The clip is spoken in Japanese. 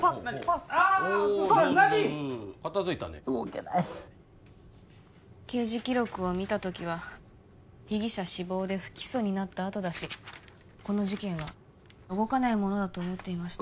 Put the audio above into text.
片づいたね刑事記録を見たときは被疑者死亡で不起訴になったあとだしこの事件は動かないものだと思っていました